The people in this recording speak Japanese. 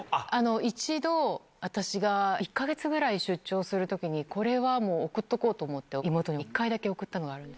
一度、私が１か月ぐらい出張するときに、これはもう送っとこうと思って、妹に１回だけ送ったのがあるんです。